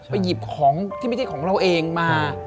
หยิบของที่ไม่ใช่ของเราเองมา